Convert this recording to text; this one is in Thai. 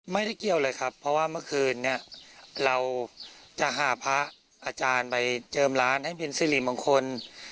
ไม่ได้เกี่ยวเลยครับเพราะว่าเมื่อคืนนี้เราจะหาพระอาจารย์ไปเจิมร้านให้เป็นสิริมงคล